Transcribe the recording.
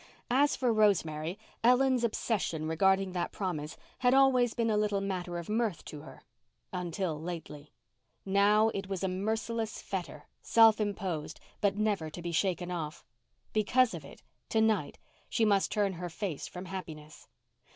As for Rosemary, Ellen's obsession regarding that promise had always been a little matter of mirth to her—until lately. Now, it was a merciless fetter, self imposed but never to be shaken off. Because of it to night she must turn her face from happiness.